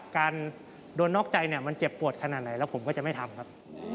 การโดนนอกใจเนี่ยมันเจ็บปวดขนาดไหนแล้วผมก็จะไม่ทำครับ